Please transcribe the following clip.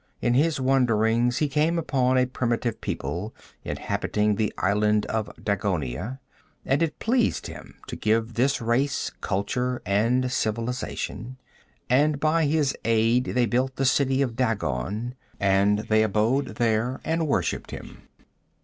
In his wanderings he came upon a primitive people inhabiting the island of Dagonia, and it pleased him to give this race culture and civilization, and by his aid they built the city of Dagon and they abode there and worshipped him.